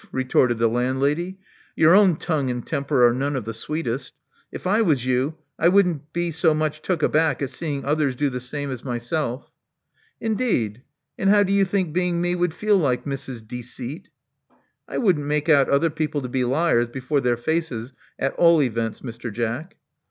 *' retorted the landlady. Your own tongue and temper are none of the sweetest. If I was you, I wouldn't be so much took aback at seeing others do the same as myself." '* Indeed. And how do you think being me would feel like, Mrs. Deceit?" I wouldn't make out other people to be liars before their faces, at all events, Mr. Jack."